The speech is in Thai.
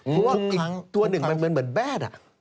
เพราะว่าอีกตัวหนึ่งมันเหมือนแบด